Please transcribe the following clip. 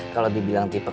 siapa untuk menentuinya